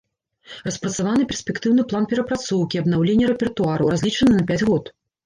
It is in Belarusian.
Распрацаваны перспектыўны план перапрацоўкі і абнаўлення рэпертуару, разлічаны на пяць год.